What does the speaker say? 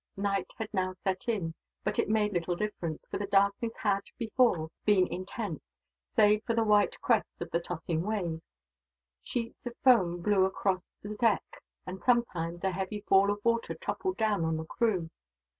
Night had now set in, but it made little difference; for the darkness had, before, been intense, save for the white crests of the tossing waves. Sheets of foam blew across the deck and, sometimes, a heavy fall of water toppled down on the crew.